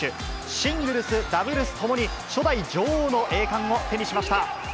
シングルス、ダブルスともに初代女王の栄冠を手にしました。